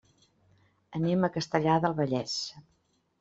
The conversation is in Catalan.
Anem a Castellar del Vallès.